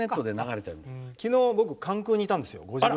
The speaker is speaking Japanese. きのう僕関空にいたんですよ。